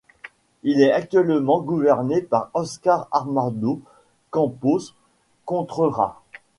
Il est actuellement gouverné par Óscar Armando Campos Contreras.